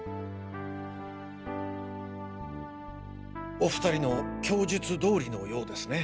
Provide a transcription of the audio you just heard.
お２人の供述どおりのようですね。